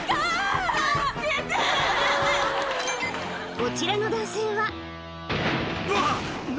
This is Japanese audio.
こちらの男性はうわ何？